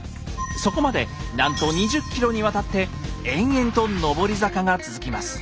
そこまでなんと２０ｋｍにわたって延々と上り坂が続きます。